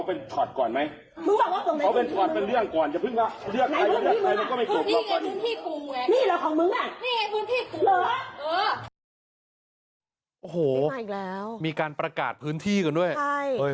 โอ้โหมีการประกาศพื้นที่กันด้วย